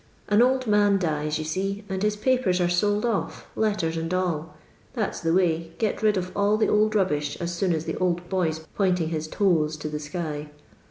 An old man dies, you see, and his papers arc sold otT, letters and all ; that 's the way ; get rid of all the old rubbish, as soon as the old boy 's point in^r his toes to the sky.